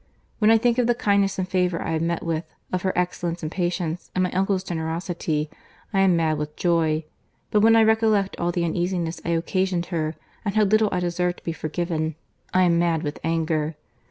When I think of the kindness and favour I have met with, of her excellence and patience, and my uncle's generosity, I am mad with joy: but when I recollect all the uneasiness I occasioned her, and how little I deserve to be forgiven, I am mad with anger.